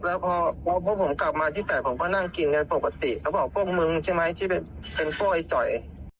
แล้วพอพวกผมกลับมาที่แฝดผมก็นั่งกินกันปกติเขาบอกพวกมึงใช่ไหมที่ไปเป็นพวกไอ้จ่อย